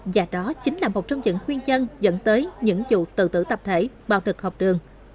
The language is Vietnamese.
và đó chính là một trong những nguyên chân dẫn tới những vụ tự tử tập thể bạo lực học đường